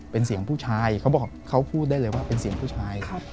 เป็นเสียงผู้ชายเขาบอกเขาพูดได้เลยว่าเป็นเสียงผู้ชาย